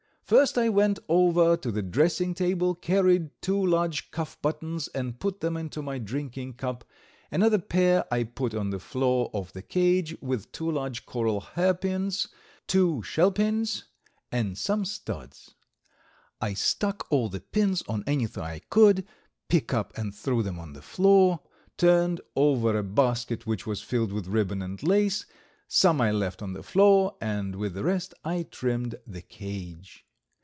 First I went over to the dressing table, carried two large cuff buttons and put them into my drinking cup, another pair I put on the floor of the cage with two large coral hairpins, two shell pins, and some studs. I stuck all the pins on anything I could pick up and threw them on the floor; turned over a basket which was filled with ribbon and lace; some I left on the floor, and with the rest I trimmed the cage.